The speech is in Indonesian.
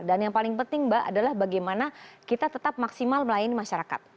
dan yang paling penting mbak adalah bagaimana kita tetap maksimal melayani masyarakat